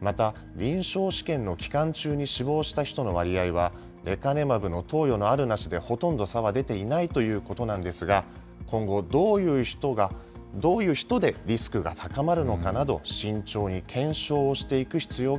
また、臨床試験の期間中に死亡した人の割合はレカネマブの投与があるなしでほとんど差は出ていないということなんですが、今後、どういう人でリスクが高まるのかなど、慎重に検証をしていく必要